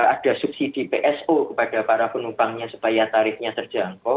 ada subsidi pso kepada para penumpangnya supaya tarifnya terjangkau